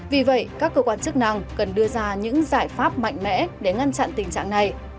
vì vậy các cơ quan chức năng cần đưa ra những giải pháp mạnh mẽ để ngăn chặn tình trạng này